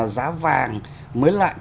giá vàng mới lại